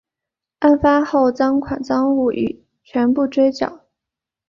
案发后赃款赃物已全部追缴。